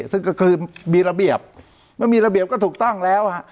ซึ่งก็คือมีระเบียบเมื่อมีระเบียบก็ถูกต้องแล้วฮะ